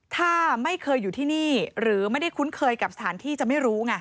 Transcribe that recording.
ถ้าไม่เคยอยู่ที่นี่หรือไม่ได้คุ้นเคยกับสถานที่จะไม่รู้ไง